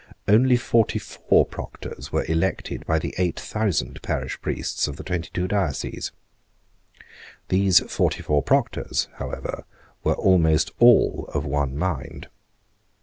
Only forty four proctors were elected by the eight thousand parish priests of the twenty two dioceses. These forty four proctors, however, were almost all of one mind.